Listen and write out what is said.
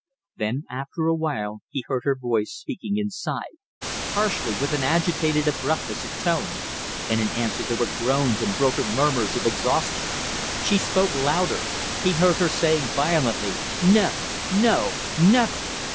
Then after a while he heard her voice speaking inside, harshly, with an agitated abruptness of tone; and in answer there were groans and broken murmurs of exhaustion. She spoke louder. He heard her saying violently "No! No! Never!"